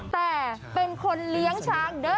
แต่เป็นคนเลี้ยงชักเด้อค่ะเด้อ